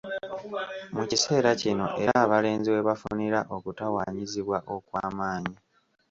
Mu kiseera kino era abalenzi we bafunira okutawaanyizibwa okwamaanyi.